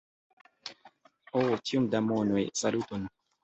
Oh tiom da manoj, saluton!